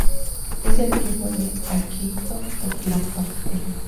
Es el primo de Akihiko por lado paterno.